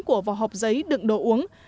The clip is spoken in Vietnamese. của vỏ hộp giấy đựng đồ uống